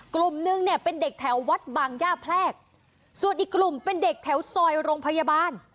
กลุ่มนึงเนี่ยเป็นเด็กแถววัดบางย่าแพรกส่วนอีกกลุ่มเป็นเด็กแถวซอยโรงพยาบาล